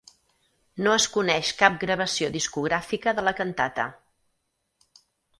No es coneix cap gravació discogràfica de la cantata.